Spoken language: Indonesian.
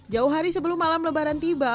jauh hari sebelum malam lebaran tiba